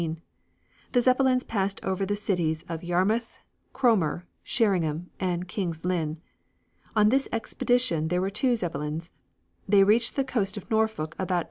The Zeppelins passed over the cities of Yarmouth, Cromer, Sherringham and King's Lynn. On this expedition there were two Zeppelins. They reached the coast of Norfolk about 8.